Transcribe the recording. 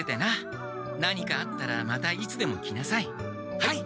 はい！